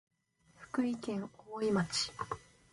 福井県おおい町